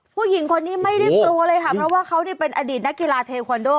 ผู้หญิงคนนี้ไม่ได้กลัวเลยค่ะเพราะว่าเขาเป็นอดีตนักกีฬาเทควันโด